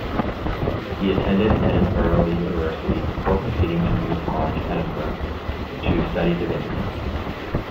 He attended Edinburgh University, before proceeding to New College, Edinburgh to study divinity.